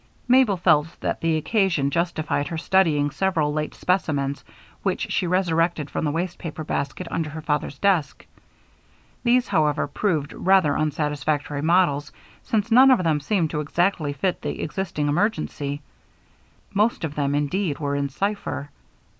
Mabel felt that the occasion justified her studying several late specimens which she resurrected from the waste paper basket under her father's desk. These, however, proved rather unsatisfactory models since none of them seemed to exactly fit the existing emergency. Most of them, indeed, were in cipher.